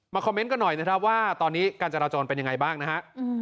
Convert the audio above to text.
คอมเมนต์กันหน่อยนะครับว่าตอนนี้การจราจรเป็นยังไงบ้างนะฮะ